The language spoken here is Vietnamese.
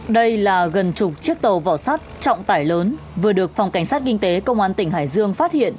đây là gần chục chiếc tàu vỏ sắt trọng tải lớn vừa được phòng cảnh sát kinh tế công an tỉnh hải dương phát hiện